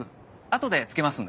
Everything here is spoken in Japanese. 後で着けますので。